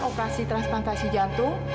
pasti ada tolong dicek bu